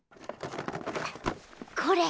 これ。